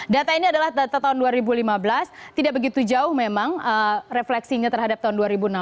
data ini adalah data tahun dua ribu lima belas tidak begitu jauh memang refleksinya terhadap tahun dua ribu enam belas